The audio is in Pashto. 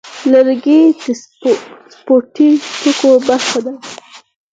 لرګی د سپورتي توکو برخه ده.